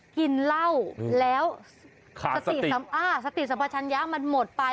กินเหล้าแล้วสติสัมภาษณ์ย้ำมันหมดไป